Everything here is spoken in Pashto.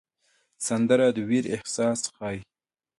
سندره د ویر احساس ښيي